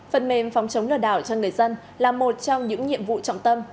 phần mềm phòng chống lừa đảo cho người dân là một trong những nhiệm vụ trọng tâm